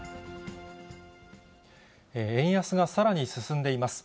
円安がさらに進んでいます。